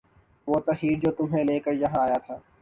وُہ تحیّر جو تُمھیں لے کے یہاں آیا تھا